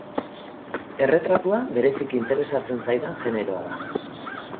Erretratua bereziki interesatzen zaidan generoa da.